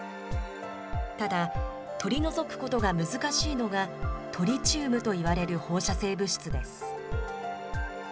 ただ、取り除くことが難しいのが、トリチウムといわれる放射性物質です。